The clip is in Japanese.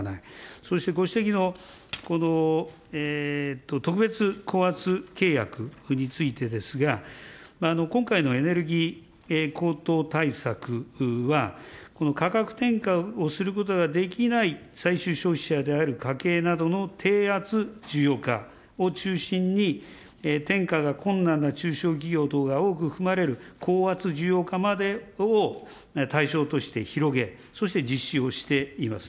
そしてご指摘のこの特別高圧契約についてですが、今回のエネルギー高騰対策は、この価格転嫁をすることができない最終消費者である家計などの低圧需要家を中心に、転嫁が困難な中小企業等が多く含まれる高圧需要家までを対象として広げ、そして実施をしています。